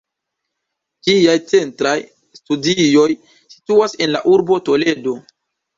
Ĝiaj centraj studioj situas en la urbo Toledo.